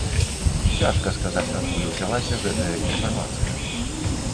Цяжка сказаць, адкуль узялася гэтая інфармацыя.